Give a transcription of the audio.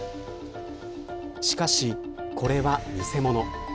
しかし、これは偽物。